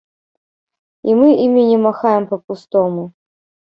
І мы імі не махаем па-пустому.